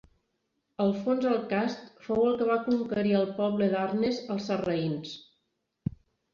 Alfons el Cast fou el que va conquerir el poble d'Arnes als sarraïns.